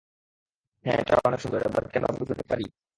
হ্যাঁ, এটা অনেক সুন্দর, এবার কি আমরা বাড়ি যেতে পারি?